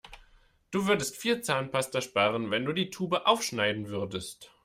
Du würdest viel Zahnpasta sparen, wenn du die Tube aufschneiden würdest.